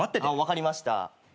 分かりました。